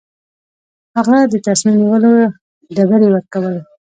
هغه د تصمیم نیولو ډبرې ورکوي.